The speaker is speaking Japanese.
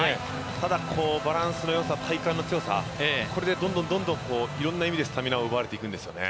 ただバランスのよさ、体幹の強さ、これでどんどん、いろんな意味でスタミナを奪われていくんですよね。